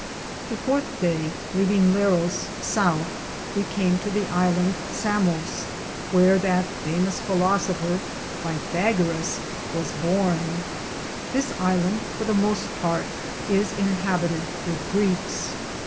The fourthe day, leavinge Learo^ southe, we came to the Ilande Samose, wheare that famos felosefer Pathagarus was borne. This Ilande, for the moste parte, is Inhabited with Greekes.